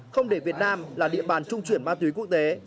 không để việt nam là địa bàn trung chuyển ma túy quốc tế